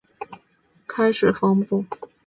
拿起一些旧衣开始缝补